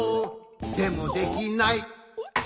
「でもできない」